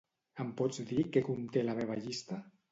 Em pots dir què conté la meva llista?